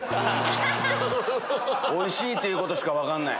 おいしいっていうことしか分かんない。